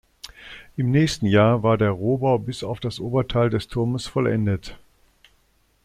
Im nächsten Jahr war der Rohbau bis auf das Oberteil des Turmes vollendet.